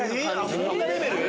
そんなレベル？